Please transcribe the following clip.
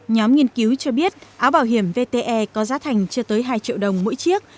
nhóm nghiên cứu cho biết áo bảo hiểm vte có giá thành chưa tới hai triệu đồng mỗi chiếc